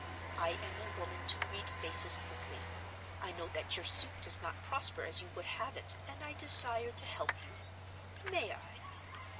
I am a woman to read faces quickly; I know that your suit does not prosper as you would have it, and I desire to help you. May I?"